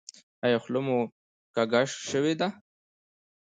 ایا خوله مو کوږه شوې ده؟